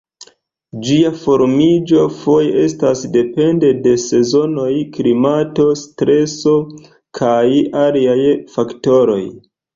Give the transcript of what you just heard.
Ĝia formiĝo foje estas dependa de sezonoj, klimato, streso, kaj aliaj faktoroj.